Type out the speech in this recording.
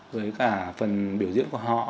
với cả phần biểu diễn của họ